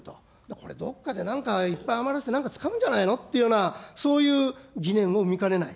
これ、どこかでなんかいっぱい余らせて、何かに使うんじゃないのという、そういう疑念も生みかねない。